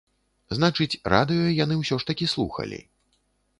Значыць, радыё яны ўсё ж такі слухалі.